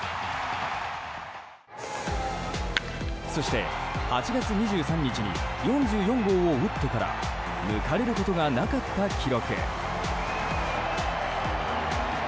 そして、８月２３日に４４号を打ってから抜かれることがなかった記録。